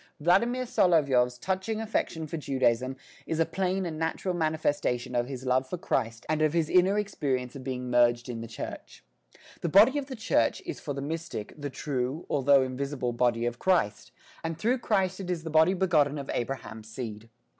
Vladimir Solovyov's touching affection for Judaism is a plain and natural manifestation of his love for Christ and of his inner experience of being merged in the Church. The body of the Church is for the mystic the true, although invisible body of Christ, and through Christ it is the body begotten of Abraham's seed.